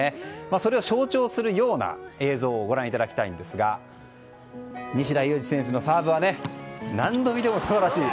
それを象徴するような映像をご覧いただきたいんですが西田有志選手のサーブは何度見ても素晴らしい。